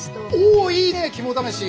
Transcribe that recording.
おいいね肝試し。